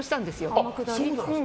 天下り。